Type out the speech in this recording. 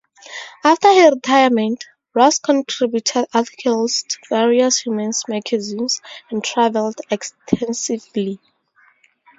After her retirement, Ross contributed articles to various women's magazines and traveled extensively.